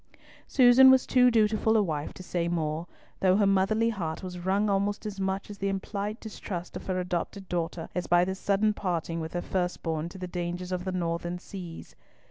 Susan was too dutiful a wife to say more, though her motherly heart was wrung almost as much at the implied distrust of her adopted daughter as by the sudden parting with her first born to the dangers of the northern seas.